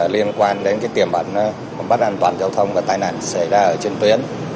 liên quan đến cái tiềm bản bất an toàn giao thông và tai nạn xảy ra trên tuyến